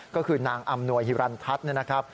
ก็คือนางอำนวยฮิรันทัศน์นะครับ